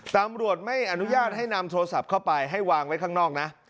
ตำรวจไม่อนุญาตให้นำโทรศัพท์เข้าไปให้วางไว้ข้างนอกนะ